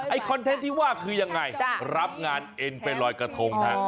คอนเทนต์ที่ว่าคือยังไงรับงานเอ็นไปลอยกระทงฮะ